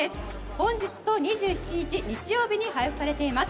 本日と２７日、日曜日に配布されています。